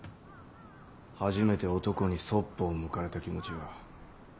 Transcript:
初めて男にそっぽを向かれた気持ちは。